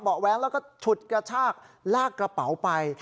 แว้งแล้วก็ฉุดกระชากลากกระเป๋าไป